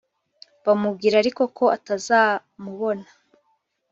Bamubwira ariko ko atazamubona